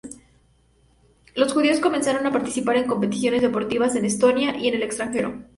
Los judíos comenzaron a participar en competiciones deportivas en Estonia y en el extranjero.